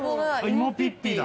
「芋ぴっぴ」だ。